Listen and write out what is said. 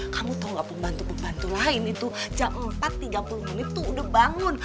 kamu tau gak pembantu pembantu lain itu jam empat tiga puluh menit tuh udah bangun